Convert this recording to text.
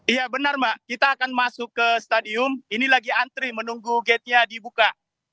iya benar mbak kita akan masuk ke stadium ini lagi antri menunggu gate nya dibuka